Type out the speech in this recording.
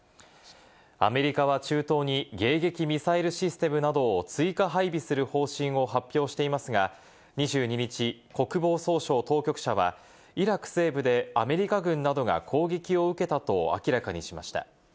アメリカは中東に迎撃ミサイルシステムなどを追加配備する方針を発表していますが、２２日、国防総省当局者はイラク西部でアメリカ軍などが攻撃を受けたと明らかにしました。